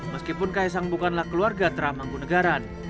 meskipun ksam bukanlah keluarga pura mangkunegaran